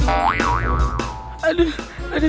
apaan sih ini